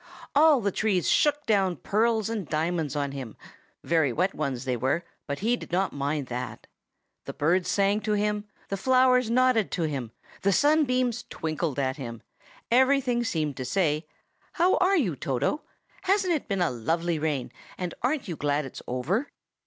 All the trees shook down pearls and diamonds on him (very wet ones they were, but he did not mind that), the birds sang to him, the flowers nodded to him, the sunbeams twinkled at him; everything seemed to say, "How are you, Toto? Hasn't it been a lovely rain, and aren't you glad it is over?"